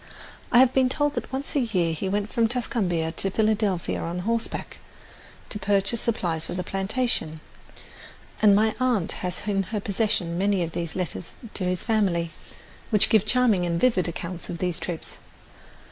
I have been told that once a year he went from Tuscumbia to Philadelphia on horseback to purchase supplies for the plantation, and my aunt has in her possession many of the letters to his family, which give charming and vivid accounts of these trips.